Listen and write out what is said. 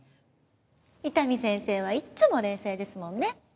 伊丹先生はいつも冷静ですもんね。